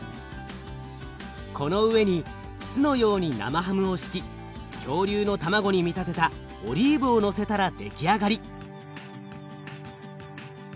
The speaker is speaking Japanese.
この上に巣のように生ハムを敷き恐竜の卵に見立てたオリーブをのせたら出来上がり。